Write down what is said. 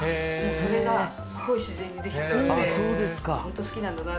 それがすっごい自然にできてたんで、本当好きなんだな。